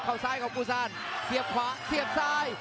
เข้าซ้ายของภูซานเสียบขวาเสียบซ้าย